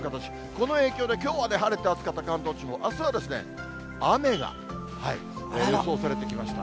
この影響で、きょうは晴れて暑かった関東地方、あすは雨が予想されてきました。